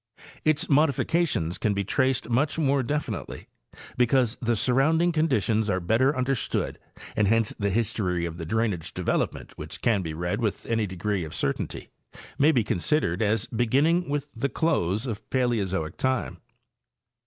Its modifications can be traced much more definitely because the surrounding conditions are better understood, and hence the history of the drainage development which can be read with any degree of certainty may be consid ered as beginning with the close of Paleozoic time.